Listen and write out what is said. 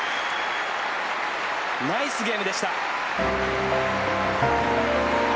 ナイスゲームでした。